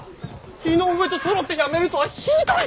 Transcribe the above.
井上とそろって辞めるとはひどい。